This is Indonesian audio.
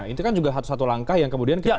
itu kan juga satu satu langkah yang kemudian kita